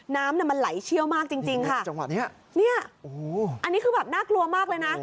น้ำมันไหลเชี่ยวมากจริงค่ะจังหวะนี้อันนี้คือแบบน่ากลัวมากเลยนะ